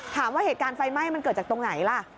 เหตุการณ์ไฟไหม้มันเกิดจากตรงไหนล่ะ